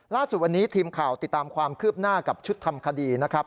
ล่าสุดวันนี้ทีมข่าวติดตามความคืบหน้ากับชุดทำคดีนะครับ